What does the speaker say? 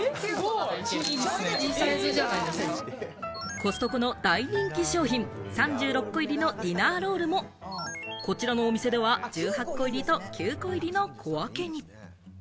コストコの大人気商品、３６個入りのディナーロールもこちらのお店では１８個入りと９個入りの小分けに。